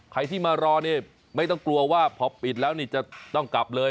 ใครที่มารอนี่ไม่ต้องกลัวว่าพอปิดแล้วนี่จะต้องกลับเลย